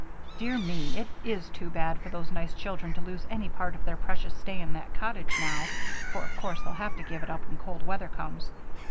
Dear me, it is too bad for those nice children to lose any part of their precious stay in that cottage, now, for of course they'll have to give it up when cold weather comes.